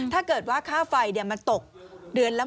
ถ้าเกิดว่าค่าไฟมันตกเดือนละ